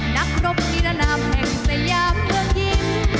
นักรบนิรนาแผ่งสยามเรื่องยิ่ม